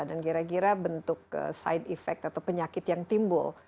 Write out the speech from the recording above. dan kira kira bentuk side effect atau penyakit yang timbul